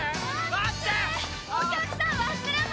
待ってー！